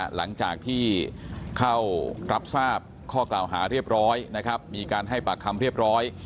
หลังจากที่เข้ารับทราบข้อกล่าวหาเรียบร้อยนะครับมีการให้ปากคำเรียบร้อย